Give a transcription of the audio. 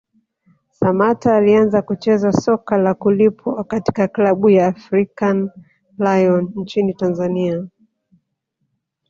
Samatta alianza kucheza soka la kulipwa katika klabu ya African Lyon nchini Tanzania